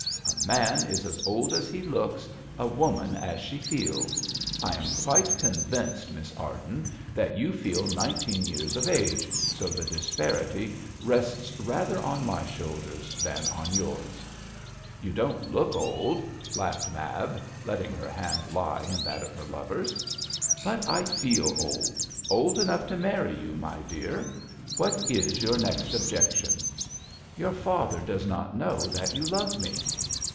'A man is as old as he looks, a woman as she feels. I am quite convinced, Miss Arden, that you feel nineteen years of age, so the disparity rests rather on my shoulders than on yours.' 'You don't look old,' laughed Mab, letting her hand lie in that of her lover's. 'But I feel old old enough to marry you, my dear. What is your next objection?' 'Your father does not know that you love me.'